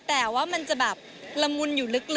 แต่ว่ามันจะแบบละมุนอยู่ลึก